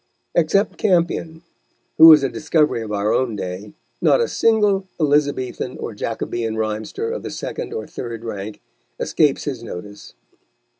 Except Campion, who is a discovery of our own day, not a single Elizabethan or Jacobean rhymester of the second or third rank escapes his notice.